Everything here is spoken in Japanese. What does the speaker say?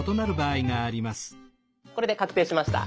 これで確定しました。